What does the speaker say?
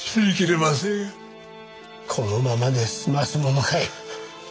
このままで済ますものかい。